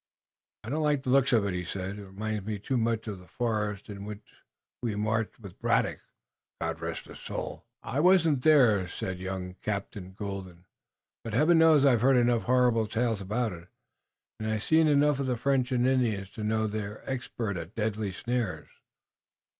"I don't like the looks of it," he said. "It reminds me too much of the forest into which we marched with Braddock, God rest his soul!" "I wasn't there," said young Captain Colden, "but Heaven knows I've heard enough horrible tales about it, and I've seen enough of the French and Indians to know they're expert at deadly snares."